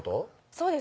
そうです